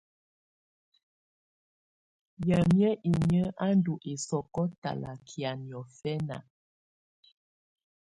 Yamɛ̀á inyǝ́ á ndù ɛsɔ̀kɔ̀ talakɛ̀á niɔ̀fɛ̀na.